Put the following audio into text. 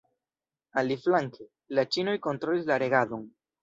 Aliflanke, la ĉinoj kontrolis la regadon.